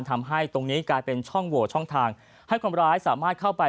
ทำให้ตรงนี้กลายเป็นช่องโหวตช่องทางให้คนร้ายสามารถเข้าไป